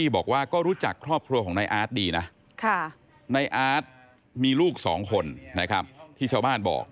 บอกว่าก็รู้จักครอบครัวของนายอาร์ตดีนะในอาร์ตมีลูกสองคนนะครับที่ชาวบ้านบอก